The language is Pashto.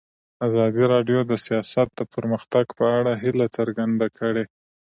ازادي راډیو د سیاست د پرمختګ په اړه هیله څرګنده کړې.